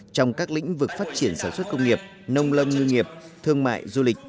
trong các lĩnh vực phát triển sản xuất công nghiệp nông lâm ngư nghiệp thương mại du lịch